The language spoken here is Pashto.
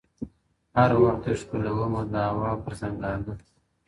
هر وخت يې ښكلومه د هـــوا پــــر ځــنـگانه ـ